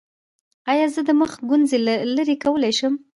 ایا زه د مخ ګونځې لرې کولی شم؟